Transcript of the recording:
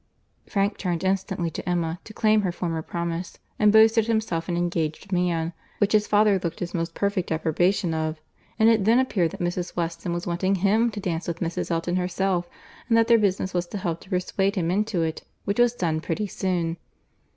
Frank turned instantly to Emma, to claim her former promise; and boasted himself an engaged man, which his father looked his most perfect approbation of—and it then appeared that Mrs. Weston was wanting him to dance with Mrs. Elton himself, and that their business was to help to persuade him into it, which was done pretty soon.